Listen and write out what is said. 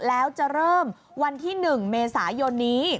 แล้วจะเริ่มวันที่๑เมษายนนี้